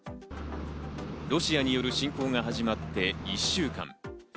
ロシアによる侵攻が始まって１週間。